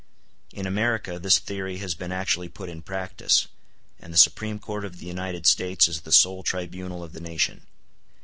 In America this theory has been actually put in practice, and the Supreme Court of the United States is the sole tribunal of the nation.